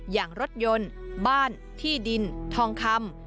อย่างรถยนต์บ้านที่ดินทองคำ